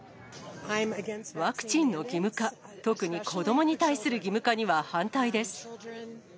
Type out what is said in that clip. ワクチンの義務化、特に子どもに対する義務化には反対です。